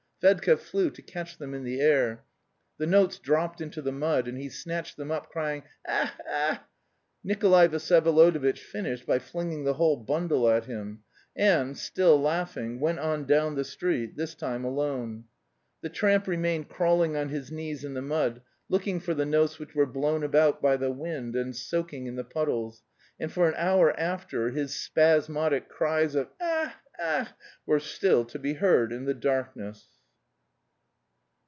Fedka flew to catch them in the air. The notes dropped into the mud, and he snatched them up crying, "Ech! ech!" Nikolay Vsyevolodovitch finished by flinging the whole bundle at him, and, still laughing, went on down the street, this time alone. The tramp remained crawling on his knees in the mud, looking for the notes which were blown about by the wind and soaking in the puddles, and for an hour after his spasmodic cries of "Ech! ech!" were still to be heard in the darkness.